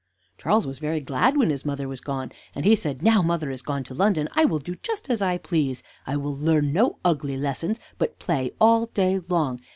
Charles was very glad when his mother was gone, and he said: "Now mother is gone to London, I will do just as I please: I will learn no ugly lessons, but play all day long.